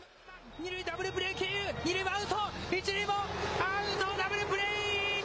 ２塁、ダブルプレー、２塁アウト、１塁も、アウト、ダブルプレー！